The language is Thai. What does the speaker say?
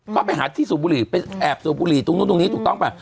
ก็ไปหาที่สูบบุหรี่ไปแอบสูบบุหรี่ตรงนู้นตรงนี้ถูกต้องป่ะ